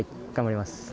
頑張ります。